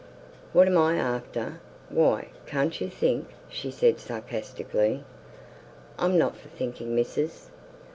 "What am I after? Why, can't you think?" she said sarcastically. "I'm not for thinkin', missis."